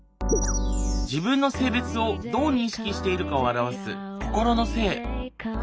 自分の性別をどう認識しているかを表す心の性。